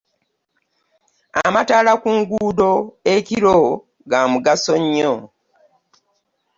Amataala ku nguudo ekiro ga mugaso nnyo.